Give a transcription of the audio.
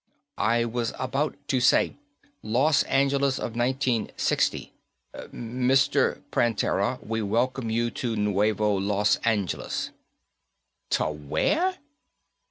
"I was about to say, Los Angeles of 1960. Mr. Prantera, we welcome you to Nuevo Los Angeles." "Ta where?"